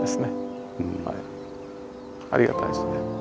ありがたいですね。